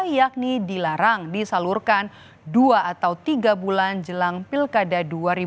yakni dilarang disalurkan dua atau tiga bulan jelang pilkada dua ribu dua puluh